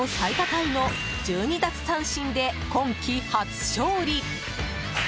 タイの１２奪三振で今季初勝利。